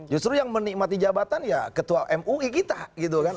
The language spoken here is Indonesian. justru yang menikmati jabatan ya ketua mui kita gitu kan